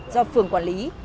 do phường quản lý